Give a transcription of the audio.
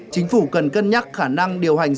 chính phủ cần cân nhắc khả năng điều hành